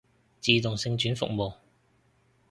自動性轉服務